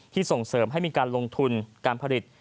ส่งเสริมให้มีการลงทุนการผลิต